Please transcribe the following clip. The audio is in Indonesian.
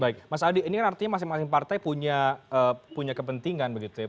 baik mas adi ini kan artinya masing masing partai punya kepentingan begitu ya